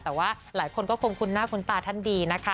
แต่ว่าหลายคนก็คงคุ้นหน้าคุ้นตาท่านดีนะคะ